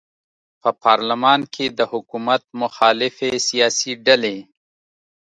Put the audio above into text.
په پارلمان کې د حکومت مخالفې سیاسي ډلې